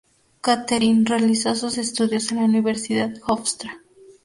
Katherine realizó sus estudios en la Universidad Hofstra.